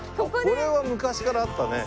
これは昔からあったね。